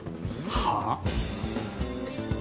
はあ？